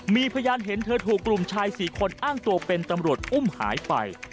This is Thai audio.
มีพยานเห็นเธอถูกกลุ่มชาย๔คนอ้างตัวเป็นตำรวจอุ้มหายไป